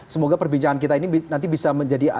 semoga perbincangan kita ini nanti bisa menjadi